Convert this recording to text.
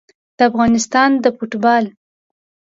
د افغانستان د فوټبال